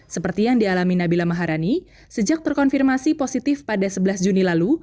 seperti yang dialami nabila maharani sejak terkonfirmasi positif pada sebelas juni lalu